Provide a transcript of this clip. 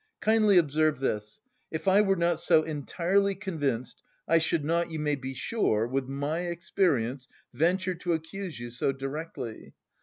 Kindly observe this: if I were not so entirely convinced I should not, you may be sure, with my experience venture to accuse you so directly.